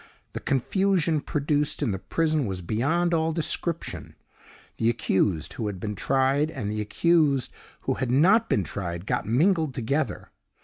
The confusion produced in the prison was beyond all description. The accused who had been tried and the accused who had not been tried got mingled together.